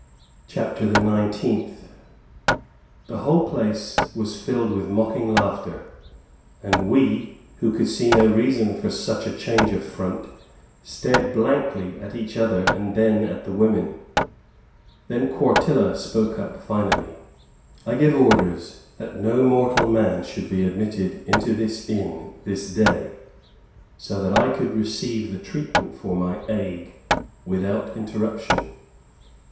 CHAPTER THE NINETEENTH. The whole place was filled with mocking laughter, and we, who could see no reason for such a change of front, stared blankly at each other and then at the women. (Then Quartilla spoke up, finally,) "I gave orders that no mortal man should be admitted into this inn, this day, so that I could receive the treatment for my ague without interruption!"